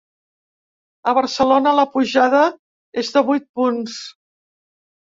A Barcelona la pujada és de vuit punts.